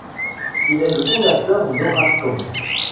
Il est le fondateur d’Orascom.